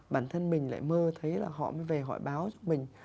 bản thân mình lại mơ thấy là họ mới về họ báo cho mình